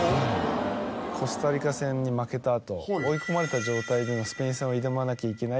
コスタリカ戦に負けたあと追い込まれた状態でのスペイン戦を挑まなきゃいけない